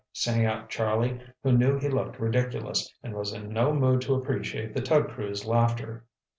sang out Charlie, who knew he looked ridiculous, and was in no mood to appreciate the tug crew's laughter.